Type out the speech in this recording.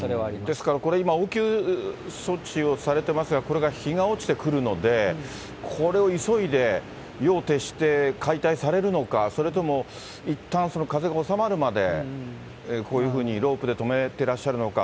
ですから、これ今、応急処置をされてますが、これが日が落ちてくるので、これを急いで夜を徹して解体されるのか、それともいったん、風が収まるまでこういうふうにロープでとめてらっしゃるのか。